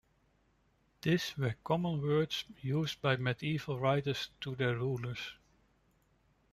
This were common words used by medieval writers to their rulers.